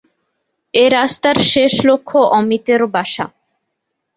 এ রাস্তার শেষ লক্ষ্য অমিতর বাসা।